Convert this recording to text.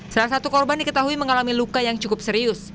salah satu korban diketahui mengalami luka yang cukup serius